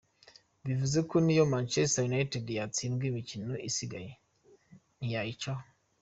Bivuze ko niyo Manchester United yatsindwa imikino isigaye ntayayicaho.